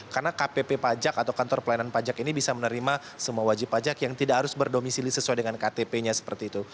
karena kpp pajak atau kantor pelayanan pajak ini bisa menerima semua wajib pajak yang tidak harus berdomisili sesuai dengan ktp nya seperti itu